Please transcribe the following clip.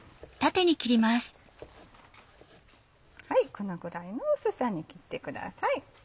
このぐらいの薄さに切ってください。